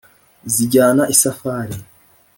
Zijyana isafari :